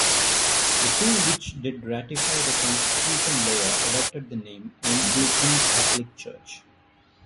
The two which did ratify the constitution later adopted the name Anglican Catholic Church.